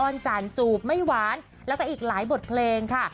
จ่านจูบไม่หวานแล้วก็อีกหลายบทเพลงค่ะ